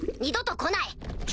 二度と来ない！